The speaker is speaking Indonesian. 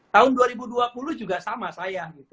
tahun dua ribu dua puluh juga sama saya